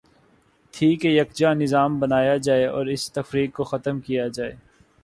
تھی کہ یکجا نظا م بنایا جائے اور اس تفریق کو ختم کیا جائے۔